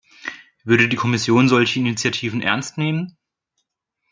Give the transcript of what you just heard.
Würde die Kommission solche Initiativen ernst nehmen?